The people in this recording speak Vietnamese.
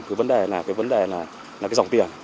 cái vấn đề là cái dòng tiền